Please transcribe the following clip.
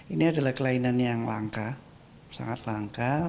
ini adalah kelainan yang langka sangat langka